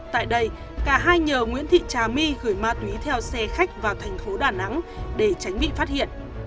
tại đây cả hai nhờ nguyễn thị trà my gửi ma túy theo xe khách vào thành phố đà nẵng để tránh bị phát hiện